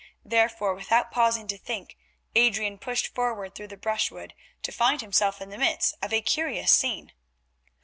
Therefore, without pausing to think, Adrian pushed forward through the brushwood to find himself in the midst of a curious scene.